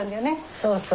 そうそう。